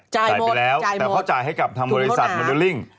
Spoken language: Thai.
จ่ายไปแล้วแต่เขาจ่ายให้กับทางบริษัทโมเดลลิ่ง